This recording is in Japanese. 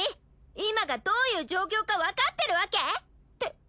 今がどういう状況かわかってるわけ？って。